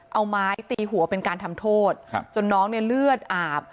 เอาไม้ตีหัวเป็นการทำโทษจนน้องเนี่ยเลือดอาบ